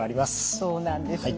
そうなんですね。